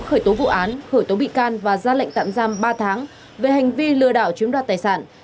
khởi tố vụ án khởi tố bị can và ra lệnh tạm giam ba tháng về hành vi lừa đảo chiếm đoạt tài sản